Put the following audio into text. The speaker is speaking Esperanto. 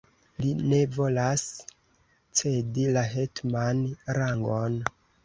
Li ne volas cedi la hetmanan rangon!